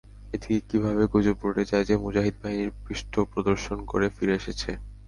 এদিকে কিভাবে গুজব রটে যায় যে, মুজাহিদ বাহিনী পৃষ্টপ্রদর্শন করে ফিরে আসছে।